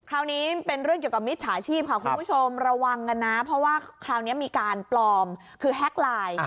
คราวนี้เป็นเรื่องเกี่ยวกับมิจฉาชีพค่ะคุณผู้ชมระวังกันนะเพราะว่าคราวนี้มีการปลอมคือแฮ็กไลน์